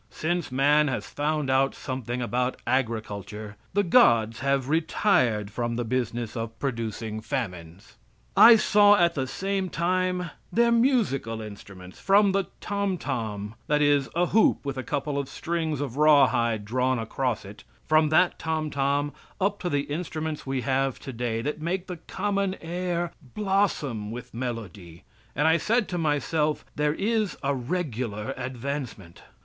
Since man has found out something about agriculture, the gods have retired from the business of producing famines. I saw at the same time their musical instruments, from the tomtom that is, a hoop with a couple of strings of rawhide drawn across it from that tom tom, up to the instruments we have today, that make the common air blossom with melody, and I said to myself there is a regular advancement.